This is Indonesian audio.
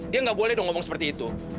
dia nggak boleh dong ngomong seperti itu